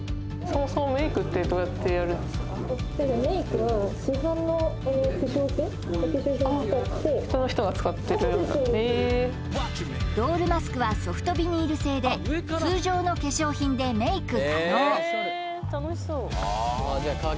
そうですへえドールマスクはソフトビニール製で通常の化粧品でメイク可能